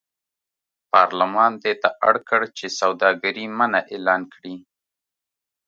پارلمان دې ته اړ کړ چې سوداګري منع اعلان کړي.